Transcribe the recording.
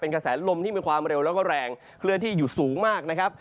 กระแสลมที่มีความเร็วแล้วก็แรงเคลื่อนที่อยู่สูงมากนะครับ